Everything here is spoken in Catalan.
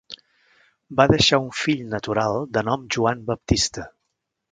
Va deixar un fill natural de nom Joan Baptista.